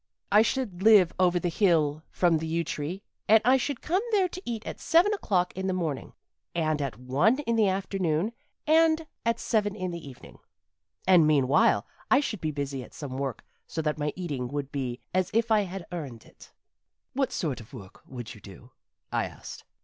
"I should live over the hill from the yew tree, and I should come there to eat at seven o'clock in the morning, and at one in the afternoon, and at seven in the evening. And meanwhile I should be busy at some work so that my eating would be as if I had earned it." "What sort of work would you do?" I asked.